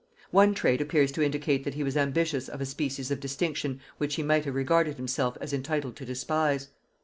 One trait appears to indicate that he was ambitious of a species of distinction which he might have regarded himself as entitled to despise.